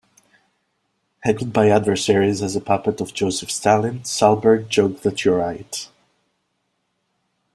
Heckled by adversaries as a puppet of Joseph Stalin, Salsberg joked that You're right.